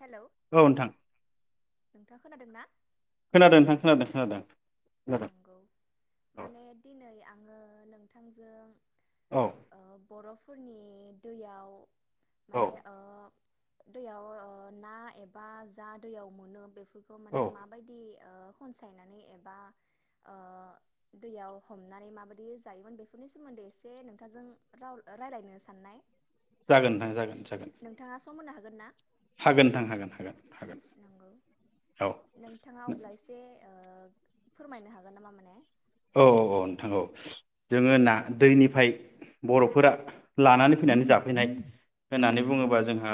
Hello औ नोंथां नोंथाङा खोनादों ना? खोनादों नोंथां खोनादों खोनादों खोनादों नंगौ औ। माने दिनै आङो नोंथांजों औ ओ बर'फ फोरनि दैयाव औ माने ओ दैयाव‌ ओ ना एबा जा दैयाव मोनो बे फोरखौ औ माने माबायदि ओ खनसायनानै एबा ओ दैयाव हमनानै माबायदि जायोमोन बेफोरनि सोमोन्दै एसे नोंथांजों राव रायज्लायनो साननाय। जागोन नोंथां जागोन जागोन। गोन ना? हागोन नोंथां हागोन हागोन। हागोन [inaudible] नंगौ औ नोंथाङा अब्ला एसे ओ फोरमायनो हागोन नामा माने? औ औ औ नोंथां औ जोङो ना दैनिफ्राय बर'फोरा लानानै फैनानै जाफैनाय होननानै बुङोब्ला नंगौ जोंहा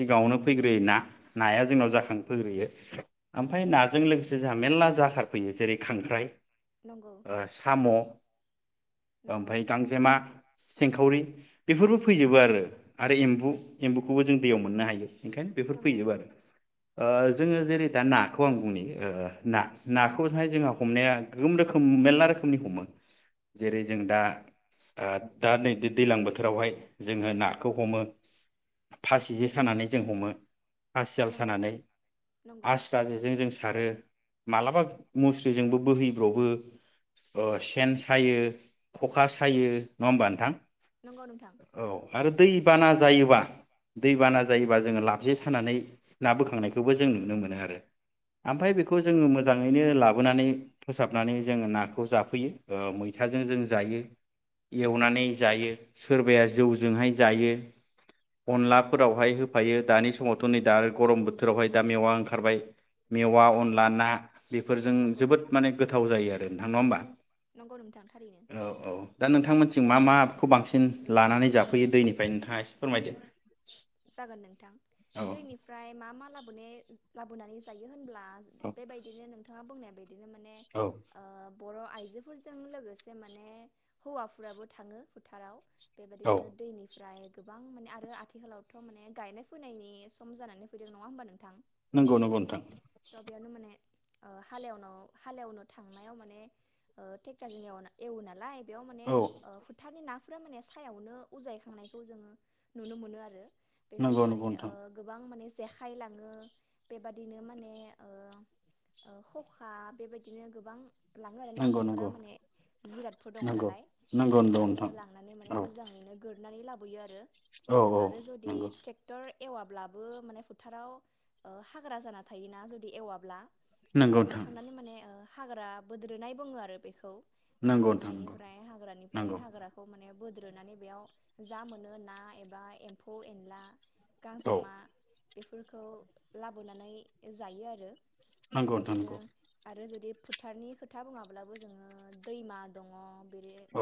सिगाङावनो फैग्रोयो ना। नाया जोंनाव नंगौ जाखांफैग्रोयो। ओमफ्राय नाजों लोगोसे जोंहा मेरला जाखारफैयो जेरै खांख्राइ नंगौ ओ साम' नंगौ ओमफ्राय गांजेमा सेंखावरि बेफोरबो फैजोबो आरो आरो एम्बु एम्बुखौबो जों दैयाव मोननो हायो। ओंखायनो बेफोर नंगौ फैजोबो आरो। ओ जोङो जेरै दा नाखौ आं बुंनि ओ ना नाखौहाय जोंहा हमनाया गोम रोखोम मेरला रोखोमनि हमो जेरै जों दा दा नै दैज्लां बोथोरावहाय जोङो नाखौ हमो फासि जे सानानै जों हमो। हासियाल नंगौ सानानै नंगौ आस्रा जेजों जों सारो। मालाबा मुस्रिजोंबो बोहै फ्रावबो सेन सायो, ख'खा सायो नङा होमबा नोंथां? नंगौ नोंथां। दै बाना जायोबा दै बाना जायोबा जोङो लाब जे सानानै ना बोखांनायखौबो जों नुनो मोनो आरो। ओमफ्राय बेखौ नंगौ जोङो मोजाङैनो लाबो बुनानै फोसाबनानै जों नाखौ जाफैयो ओ मैथाजों जों जायो, एवनानै जायो, सोरबाया जौजोंहाय जायो। अनलाफोरावहाय होफायो दानि समावथ' नै दा गरम बोथोरावहाय दा मेवा ओंखारबाय मेवा नंगौ अनला ना बेफोरजों नंगौ जोबोद माने गोथाव जायो आरो नोंथां नङा होमबा नंगौ नोंथां थारैनो औ औ दा नोंथां मोनथिं जों मा माखौ बांसिन लानानै जाफैयो दैनिफ्राय नोंथाङा एसे फोरमायदो। जागोन नोंथां औ दैनिफ्राय मा मा लाबोनो लाबोनानै जायो होन होनब्ला बेबायदिनो नोंथाङा बुंनाय बायद बिदिनो माने औ ओ बर' आयजोफोरजों लोगोसे माने हौवाफोराबो थाङो फोथाराव। औ बेबायदिनो दैनिफ्राय गोबां माने आरो आथिखालाव थ' माने गायनाय फुनायनि सम जानानै फैदों नङा होमबा नोंथां? नंगौ नंगौ नोंथां। थ' बेयावनो माने ओ हालेवन' हालेवनो थांनायाव माने ओ ट्रेक्टरजों एव-एवो नालाय बेयाव माने औ ओ फुथारनि नाफ फोरा माने सायावनो उजायखांनायखौ जोङो नुनो मोनो आरो। बेखौनो नंगौ माने नंगौ ओ नोंथां गोबां गोबां माने जेखाय लाङो बेबादिनो माने ओ ओ ख'खा बेबायदिनो गोबां लाङो आरो ना नंगौ हमग्रा नंगौ माने जिरादफोर दङ नंगौ नालाय नंगौ नंगौ बेफोरखौनो नोंथां लांनानै माने औ मोजाङैनो गोरनानै लाबो बोयो आरो औ औ। आरो जुदि नंगौ। ट्रेक्टर एवाब्लाबो माने फोथाराव नंगौ बेयावबो नोंथां थांनानै माने हाग्रा बोद्रोनाय बुङो आरो बेखौ माने नंगौ नोंथां जेखायनिफ्राय हाग्रानिफ्राय नंगौ नंगौ हाग्राखौ माने बोद्रोनानै बेयाव जा मोनो ना एबा ए फ एनला औ गांजेमा बेफोरखौ लाबोनानै जायो आरो नंगौ नोंथां बेबायदिनो नंगौ आरो जुदि बे फोथारनि खोथा बुङाब्लाबो जोङो दैमा दङ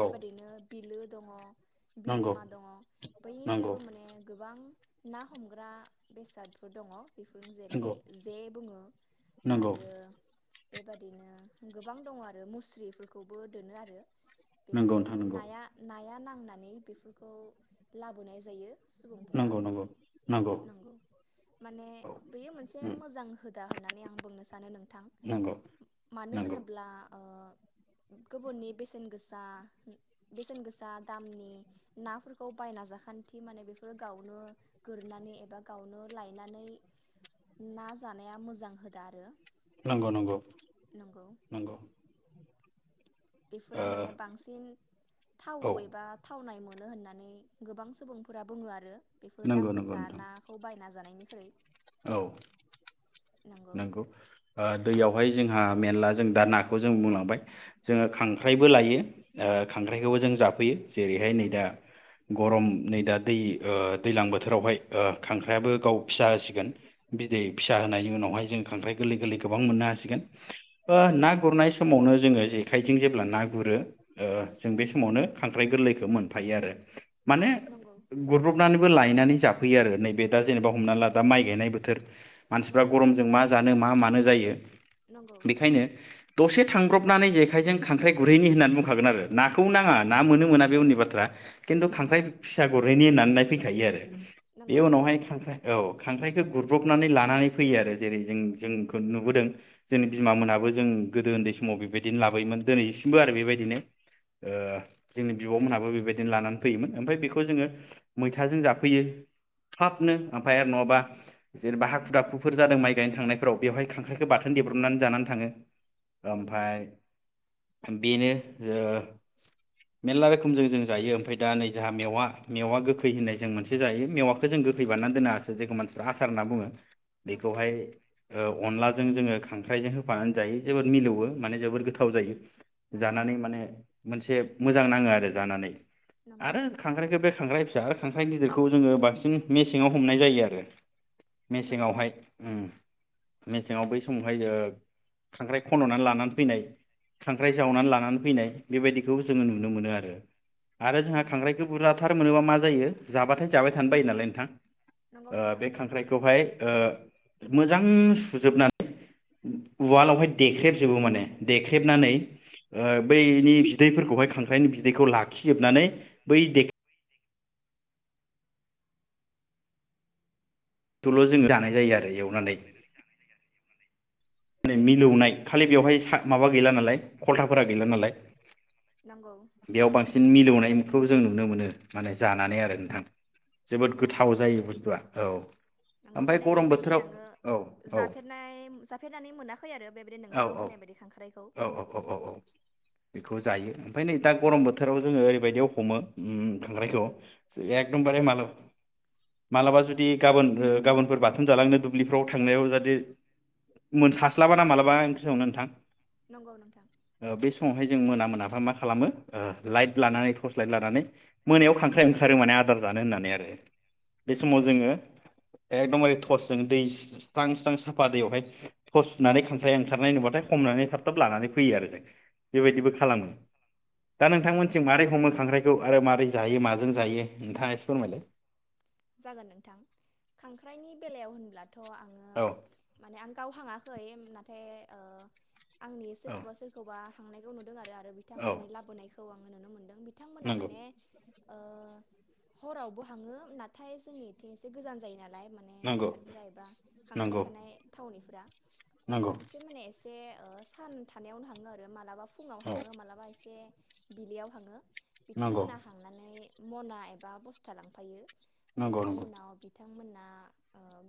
औ बेबादिनो बिलो दङ नंगौ बिलोमा दङ नंगौ बैनिफ्रायबो माने गोबां ना हमग्रा बेसादफोर दङ बेफोर जेरै नंगौ जे बुंङो। नंगौ बेबादिनो गोबां दङ आरो मुस्रिफोरखौबो दोनो आरो नंगौ नोंथां बेफोरावनो नाया नंगौ नाया ना फानानै बेफोरखौ लाबोनाय जायो। सुबुंफोरा नंगौ नंगौ माने औ बैयो मोनसे मोजां होदा होननानै आं बुंनो सानो नोंथां नंगौ मानो नंगौ होनोब्ला ओ गुबुननि बेसेन गोसा बेसेन गोसा दामनि नाफोरखौ बायना जाखान्थि माने बे बेफोर गावनो गोरनानै एबा गावनो लायनानै ना जानाया मोजां होदा आरो नंगौ नंगौ नंगौ नंगौ बेफोरा ओ माने बांसिन औ थाव एबा थावनाय मो नो होननानै गोबां सुबुंफोरा बुङो आरो बेफोर नंगौ दाम नंगौ गोसा नोंथां नाखौ बायना जानायनि [unintelligible] औ नोंगौ दैयावहाय जोंहा मेरला जों दा नाखौ जों बुंलांबाय जोङो खांख्राइबो लायो ओ खांख्राइखौबो जों जाफैयो। जेरैहाय नै दा नंगौ गरम नै दा दै ओ दैज्लां बोथोरावहाय ओ खांख्रायाबो गाव फिसा होसिगोन बिदै फिसा होनायनि उनाव हाय जों खांख्राइ गोरलै गोरलै गोबां मोननो हासिगोन। ओ नंगौ ना गुरनाय समावनो जोङो जेखाइजों जेब्ला ना गुरो ओ जों बे समावनो खांख्राइ गोरलैखो मोनफायो आरो माने नंगौ गुरब्रबनानै लायनानै जाफैयो आरो नैबे दा जेनेबा हमना ला दा माइ गायनाय बोथोर मानसिफ्रा नंगौ गरमजों मा जानो मा मानो नो जायो नंगौ बेखायनो दसे थांब्रबनानै जेखाइजों खांख्राइ गुरहैनि होननानै बुंखागोन आरो नाखौ नाङा ना मोनो मोना बे उननि बाथ्रा खिन्थु नंगौ खांख्राइ फिसा गुरहैनि होननानै फैखायो आरो नंगौ बे उनावहाय थारैनो खांख्राइ औ खांख्राइखो गुरब्रबनानै लानानै फैयो आरो जेरै जों जोंखौ नुबोदों जोंनि बिमोनाबो जों गोदो ओन्दै समाव बेबायदिनो लाबोयोमोन दोनैसिमबो आरो बेबायदिनो ओ जोंनि बिब' मोनाबो बेबायदिनो लानानै फैयोमोन ओमफाय बेखौ जोङो मैथाजों जाफैयो थाबनो ओमफाय आरो नङाबा जेनेबा हाखु दाखु फोर जादों माइ गायनो थांनायफोराव बेवहाय खांख्राइखो बाथोन देब्रबनानै जानानै थाङो। नंगौ ओमफाय बेनो ओ मेला रोखोमजों जों जायो ओमफ्राय दा नै जोंहा मेवा मेवा गोखै होननाय जों मोनसे जायो मेवाखौ जों गोखै बानायनानै दोना जेखौ मानसिफ्रा हासार होनना बुङो। नंगौ बेखौहाय ओ अनला जों जोङो खांख्रायजों होफानानै जायो जबोर मिलौवो माने जोबोद गोथाव जायो। नंगौ जानानै माने मोनसे मोजां नाङो आरो जानानै नंगौ आरो खांख्रायखो बे खांख्राय फिसा खांख्राइ गिदिरखौ जोङो बांसिन मेसेंयाव हमनाय जायो आरो नंगौ सिङावहाय ओ मेसेंयाव बै समावहाय जों खांख्राइ खन'नानै लानानै फैनाय खांख्राइ जावनानै लानानै फैनाय बेबायदिखौ जोङो नुनो मोनो आरो आरो जोंहा नंगौ खांख्रायखौ बुरजाथार मोनोबा मा जायो जाबाथाय जाबाय थानो बायो नालाय नोंथां नंगौ ओ नोंथां बे खांख्राइखौ हाय ओ मोजां सुजोबनानै उवालावहाय देख्रेबजोबो माने देख्रेबनानै ओ बैनि बिदैफोरखौहाय खांख्राइनि बिदैखौ लाखिजोबनानै बै बे थल' जोंङ दानाय जायो आरो एवनानै माने मिलौनाय खालि बेवहाय माबा गैला नालाय खलथाफोरा गैला नालाय नंगौ बेयाव बांसिन मिलौनाय एखौ जों नुनो मोनो माने जानानै आरो नोंथां जोबोद नंगौ माने गोथाव जायो बुस्थुआ औ नंगौ ओमफ्राय माने गरम बेबायदि बोथोराव आङो औ औ जाफेरनाय जाफेरनानै मोनाखै आरो बेबायदि औ नोंथाङा औ बुंनाय बायदि खांख्राइखौ औ औ औ औ बेखौ जायो ओमफ्राय नै दा गरम नंगौ बोथोराव जोङो ओरैबायदि हमो उं खांख्रायखौ एकदमबार माल मालाबा जुदि गाबोन गाबोनफोर बाथं जालांनो दुब्लिफ्राव थांनायाव जाहाथे मोनसास्लाबा ना मालाबा सनो नोंथां। नंगौ नोंथां। ओ बे समावहाय जों मोना मोनाबा मा खालामो लाइट लानानै टर्स लाइट लानानै मोनायाव खांख्राइ ओंखारो माने आदार जानो होननानै आरो। बे समाव नंगौ जोङो एखदमबारे टर्सजों दै स्रां स्रां साफा दैयावहाय थटर्स सुनानै खांख्राइ ओंखारनाय नुबाथाय हमनानै थाब थाब लानानै फैयो आरो जों बेबायदिबो खालामो। दा नंगौ नोंथांमोनथिं मारोरै हमो खांख्राइखौ? आरो माबारै जायो माजों जायो नोंथाङा एसे फोरमायलाय। जागोन नोंथां खांख्राइनि बेलायाव होनब्ला थ' आङो औ माने आं गाव हाङाखै नाथाय ओ आंनि औ सोरखौबा सोरखौबा थांनायखौ नुदों आरो। आरो औ बिथांमोननि लाबोनायखौ आं नों बिथांमोना नंगौ माने ओ हरावबो हाङो न हाथाय जोंनि इथिं एसे गोजान जायो ना लाय माने नंगौ फोथारफोरा एबा खांख्राय नंगौ थानाय थावनि ब्रा नंगौ अब्ला बिसोर माने एसे ओ सान थानायावनो हांङो आरो माल मालाबा फुङाव औ हांङो मालाबा एसे बिलियाव हांङो नंगौ बिथांमोना हांनानै मना एबा बस्था लांफायो नंग' बेनि नंग'। उनाव बिथांमोना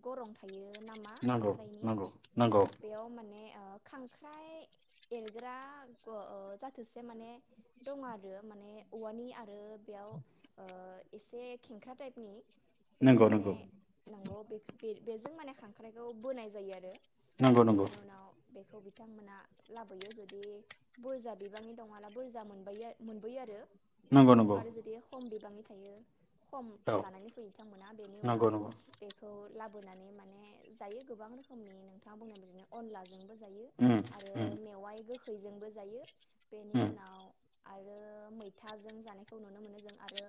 गरम थायो। नामा नंगौ खांख्राइनि नंगौ नंगौ बेयाव माने ओ खांख्राइ एरग्रा ग ओ जाथोसे माने दं आरो माने औवानि आरो बेयाव ओ एसे खेंख्रा टाइपनि बेखौ नंगौ नंगौ माने नंगौ बेख बे बेजों माने खांख्राइखौ बोनाय जायो आरो नंगौ नंगौ बेनि उनाव बेखौ बिथ बिथांमोना लाबोयो जुदि बुरजा बिबांनि दङला बुरजा मोन मोनबोयो आरो। नंगौ नंगौ आरो जुदि खम बिबांनि थायो खम औ लानायनि बिथांमोना बेनि उनाव नंगौ नंगौ बेखौ लाबोनानै माने जायो गोबां रोखोमनि नोंथाङा बुंनाय बादिनो अनलाजों बो जायो उम आरो उम मेवाय गोखै फोरजोंबो जायो बेनि उम उनाव आरो मैथाजों जानायखौ नुनो मोनो जों आरो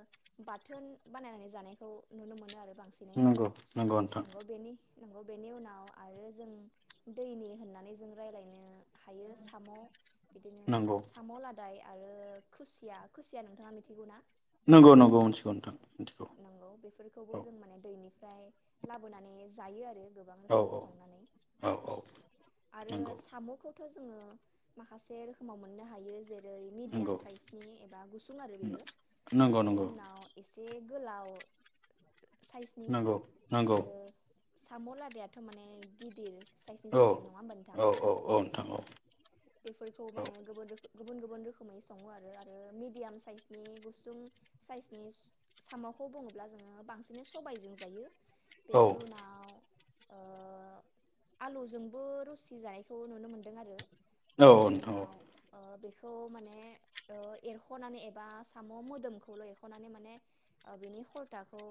बाथोन बानायनानै जानायखौ नुनो मोनो आरो बांसिनै नंगौ नंगौ नोंथां नंगौ बेनि उनाव आरो जों दैनि होननानै जों रायज्लायनो हायो साम' बिदिनो नंगौ साम' लादाय आरो खुसिया खुसिया नोंथांङा मिथिगौ ना नंगौ नंगौ मिथिगौ नोंथां मिथिगौ नंगौ बेफोरखौबो औ जों माने दैनि ओमफ्राय लाबोनानै जायो आरो गोबां औ रोखोमनि संनानै औ औ आरो नंगौ साम'खौ जोङो माखासे रोखोमाव मोननो हायो जेरै जेरै मिडियाम नंगौ साइसनि एबा गुसुं आरो बेयो नंगौ बेनि नंगौ उनाव एसे गोलाव साइसनि नंगौ नंगौ आरो साम' लादायाथ' माने गिदिर साइसनि औ जाखायो नङा होमबा नोंथां औ औ औ नोंथां औ बेफोरखौ औ माने गुबुन रोखो गुबुन गुबुन रोखोमै सङो आरो मिडियाम साइसनि गुसुं साइसनि साम'खौ बुङोब्ला जोङो बांसिन सबायजों जायो औ बेनि उनाव ओ आलुजोंबो रसि जानायखौ नुनो मोनदों आरो औ बेनि नोंथां औ उनाव ओ बे खौ माने ओ एरख'नानै एबा साम' मोदोमखौल' एरख'नानै माने बिनि खलथाखौ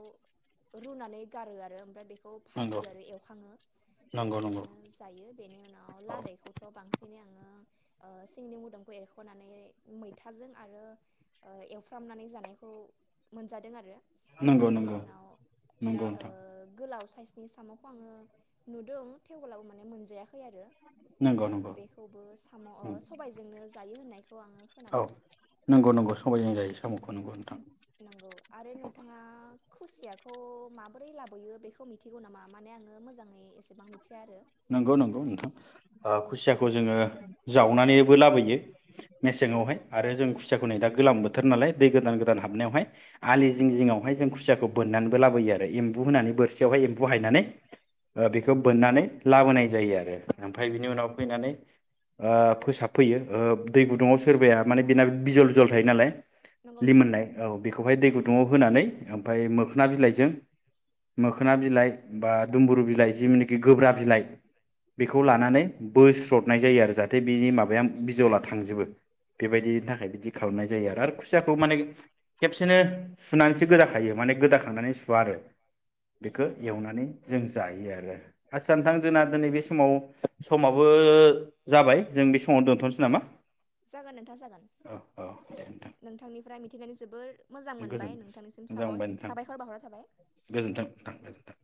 रुनानै गारो आरो ओमफ्राय बेखौ खौ नंगौ फाजियो आरो एवखाङो नंगौ नंगौ बेबादिनो जायो बेनि उनाव औ लादाइखौथ' बांसिनै ओ सिंनि मोदोमखौ एरख'नानै मैथाजों आरो एवफ्रामनानै जानायखौ मोनजादों आरो नंगौ बेनि नंगौ उनाव बे नंगौ ओ नोंथां गोलाव खासनि साम'खौ आङो नुदों थेवब्लाबो माने मोनजायाखै आरो नंगौ नंगौ। ओ साम' ओ सबायजोंनो जा यो होननायख औ नंगौ नंगौ समबायजों जायो। साम'खौ नंगौ नोंथां। नंगौ आरो नोंथाङा खुसियाखौ माबोरै लाबोयो बेखौ मिथिगौ नामा माने आङो मोजाङै एसेबां मिथिया आरो। नंगौ नंगौ नोंथां। ओ खुसियाखौ जोङो जावनानैबो लाबोयो। मेसेङावहाय नंगौ आरो जों खुसियाखौ नै दा गोलाम बो थोर नालाय दै गोदान गोदान हाबनायावहाय आलि जिं नंगौ जिङावहाय जों खुसियाखौ बोननानैबो लाबोयो आरो एम्बु होनानै बोरसियावहाय एम्बु हायनानै ओ बेखौ नंगौ बोन्नानै होनाय जायो आरो। ओमफाय बिनि नंगौ उनाव फैनानै ओ फोसाबफैयो ओ दै गुदुङाव सोरबाया माने बेना बिजल बिजल थायो नालाय। नंगौ नोंथां लिमोननाय औ बेखौ बेवहाय दै गुदुङाव होनानै ओमफ्राय मोखोना बिलाइजों मोखोना बिलाइ बा दुमबुरु बिलाइ जिमनिखि गोब्राब बिलाइ बेखौ नंगौ लानानै बोस्ल'द हाबनाय जायो आरो जाहाथे बिनि माबाया बिजला थांजोबो। बेबायदिनि नंगौ थाखाय बिदि खालामनाय जायो आरो। खुसियाखौ माने खेबसेनो सुनानैसो गोदाखायो माने गोदाखांनानै सुवा आरो। बेखौ नंगौ एवनानै जों जा जायो आरो। आदसा नोंथां नंगौ जोंना दिनै बे समाव समाबो जाबाय जों बे समावनो दोनथ'नोसै नामा जागोन नोंथां जागोन औ औ दे नोंथां। माने जोबोर मोजां मोनबाय गोजोन नोंथांनिसिम मोजां साबाय मोनबाय नोंथां साबायखर बावहरनाय थाबाय गोजोनथों नोंथां गोजोनथों।